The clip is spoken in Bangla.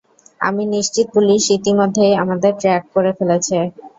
আমি নিশ্চিত পুলিশ ইতিমধ্যেই আমাদের ট্র্যাক করে ফেলেছে।